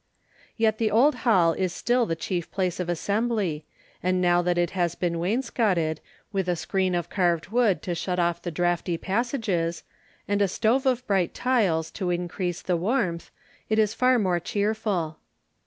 Yet the old hall is still the chief place of assembly, and now that it has been wainscoted, with a screen of carved wood to shut off the draughty passages, and a stove of bright tiles to increase the warmth, it is far more cheerful.